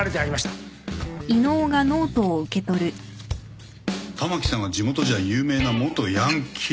「たまきさんは地元じゃ有名な元ヤンキー！」